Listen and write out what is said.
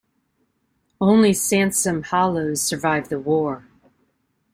Only Sansom-Hallowes survived the war.